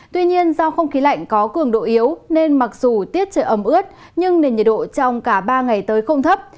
tuy nhiên do không khí lạnh có cường độ yếu nên mặc dù tiết trời ấm ướt nhưng nền nhiệt độ trong cả ba ngày tới không thấp